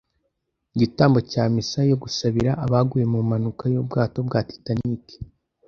Igitambo cya Misa yo gusabira abaguye mu mpanuka y'ubwato bwa Titanic